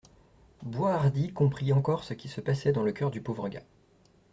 Boishardy comprit encore ce qui se passait dans le coeur du pauvre gars.